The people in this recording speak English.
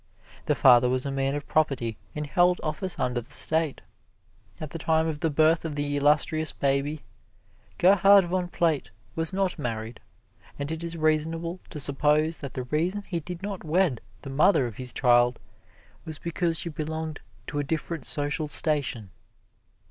The father was a man of property and held office under the State. At the time of the birth of the illustrious baby, Gerhard von Praet was not married, and it is reasonable to suppose that the reason he did not wed the mother of his child was because she belonged to a different social station.